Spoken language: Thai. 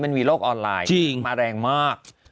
มันมีโลกออนไลน์มาแรงมาก